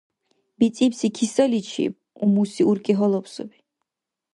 БицӀибси кисаличиб, умуси уркӀи гьалаб саби.